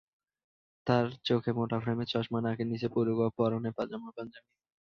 তাঁর চোখে মোটা ফ্রেমের চশমা, নাকের নিচে পুরু গোফ, পরনে পাজামা-পাঞ্জাবি।